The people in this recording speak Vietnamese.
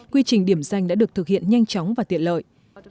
quy trình điểm danh đã được thực hiện nhanh chóng và tiện lợi